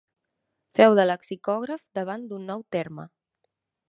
Feu de lexicògraf davant d'un nou terme.